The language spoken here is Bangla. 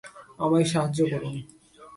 আমায় সাহায্য করুন৷